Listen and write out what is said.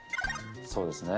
そうですね。